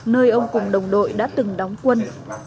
nơi ông cùng đồng đội đã từng đóng quân